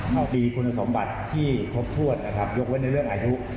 มีคุณสมบัติที่ครบถ้วนยกไว้ในเรื่องอายุ